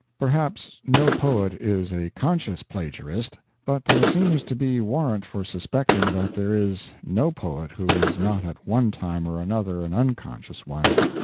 Perhaps no poet is a conscious plagiarist; but there seems to be warrant for suspecting that there is no poet who is not at one time or another an unconscious one.